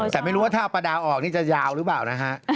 แต่ไม่รู้ว่าถ้าเอาประดาวออกนี่จะยาวหรือเปล่านะฮะ